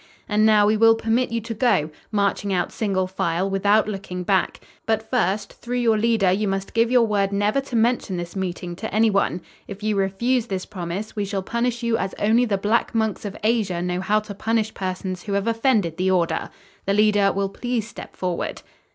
And now we will permit you to go, marching out single file, without looking back. But first, through your leader you must give your word never to mention this meeting to anyone. If you refuse this promise we shall punish you as only the Black Monks of Asia know how to punish persons who have offended the order. The leader will please step forward."